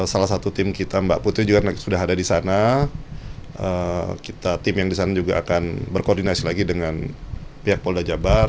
salah satu tim kita mbak putri juga sudah ada di sana kita tim yang di sana juga akan berkoordinasi lagi dengan pihak polda jabar